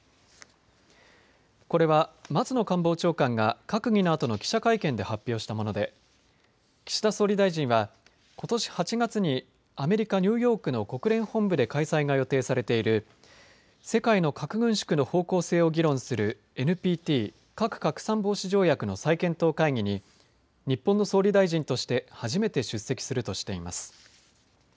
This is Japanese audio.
これは松野官房長官が閣議のあとの記者会見で発表したもので岸田総理大臣は、ことし８月にアメリカ・ニューヨークの国連本部で開催が予定されている世界の核軍縮の方向性を議論するＮＰＴ・核拡散防止条約の再検討会議に日本の総理大臣として初めて出席するとしています。